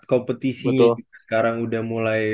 kompetisi sekarang udah mulai